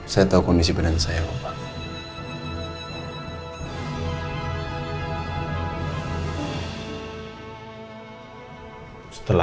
saya tahu kondisi benar saya papa